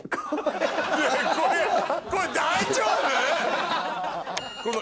これこれ大丈夫？